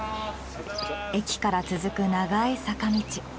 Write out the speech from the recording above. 駅から続く長い坂道。